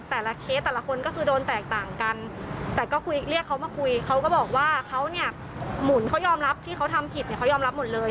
ใช่ตอนนี้ก็เหมือนมีหมายจับคนนั้นหมายจับคนนี้